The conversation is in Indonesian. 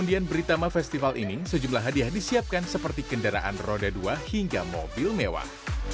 dian britama festival ini sejumlah hadiah disiapkan seperti kendaraan roda dua hingga mobil mewah